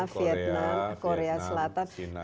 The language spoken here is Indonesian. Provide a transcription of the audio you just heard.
korea korea selatan